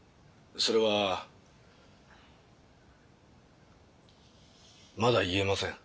それはまだ言えません。